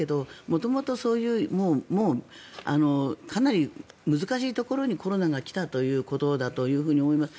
元々、かなり難しいところにコロナが来たということだと思います。